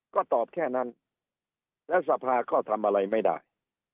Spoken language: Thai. ก็ตอบแค่นั้นแล้วสภาก็ทำอะไรไม่ได้